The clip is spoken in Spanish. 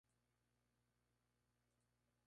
Y el proceso debió ser el mismo en la antigüedad.